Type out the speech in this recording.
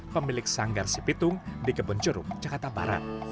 pemilik sanggar si pitung di kebun curug jakarta barat